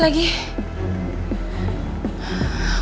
jadi ivana punya toko